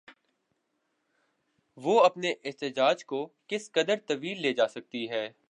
وہ اپنے احتجاج کو کس قدر طویل لے جا سکتی ہے؟